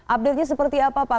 update nya seperti apa pak